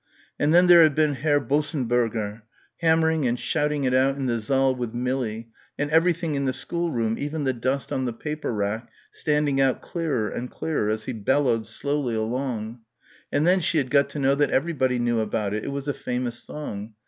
And then there had been Herr Bossenberger, hammering and shouting it out in the saal with Millie, and everything in the schoolroom, even the dust on the paper rack, standing out clearer and clearer as he bellowed slowly along. And then she had got to know that everybody knew about it; it was a famous song.